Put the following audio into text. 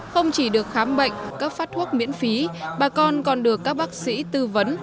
không chỉ được khám bệnh cấp phát thuốc miễn phí bà con còn được các bác sĩ tư vấn